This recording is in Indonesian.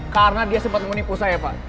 karena dia sempat menipu saya pak